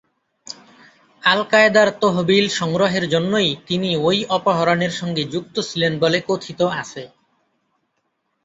আল-কায়েদার তহবিল সংগ্রহের জন্যই তিনি ওই অপহরণের সঙ্গে যুক্ত ছিলেন বলে কথিত আছে।